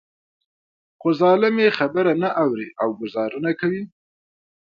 خو ظالم يې خبره نه اوري او ګوزارونه کوي.